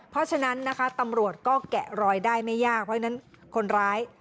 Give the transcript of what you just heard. เพราะฉะนั้นนะคะตำรวจก็แกะรอยได้ไม่ยากเพราะฉะนั้นคนร้าย